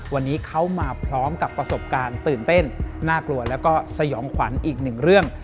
วันนี้เขามาพร้อมกับประสบการณ์ตื่นเต้นน่ากลัวแล้วก็สยองขวัญอีกหนึ่งเรื่อง